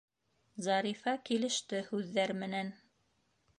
Зарифа килеште һүҙҙәр менән.